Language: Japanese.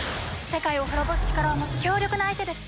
世界を滅ぼす力を持つ強力な相手です。